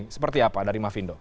seperti apa dari mas findo